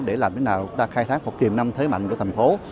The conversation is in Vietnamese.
để làm thế nào chúng ta khai thác một tiềm năng thế mạnh của thành phố